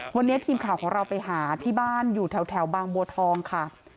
วันนี้ทีมข่าวของเราไปหาที่บ้านอยู่แถวบางบัวทองค่ะ